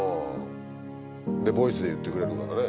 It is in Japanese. でボイスで言ってくれるからね。